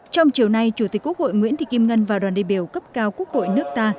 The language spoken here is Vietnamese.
trong chiều nay chủ tịch quốc hội nguyễn thị kim ngân và đoàn đề biểu cấp cao quốc hội nước ta